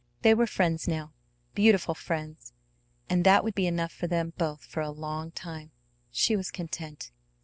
They were friends now, beautiful friends; and that would be enough for them both for a long time. She was content.